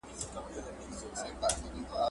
چي جنګ سوړ سو میری تود سو ..